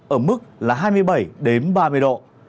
ở mức là hai mươi bảy ba mươi độ